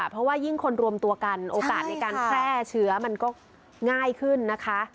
เพราะว่ายิ่งคนรวมตัวกันโอกาสในการแพร่เชื้อมันก็ง่ายขึ้นนะคะ